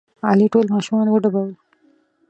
علي ټول ماشومان وډبول.